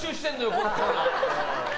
このコーナー。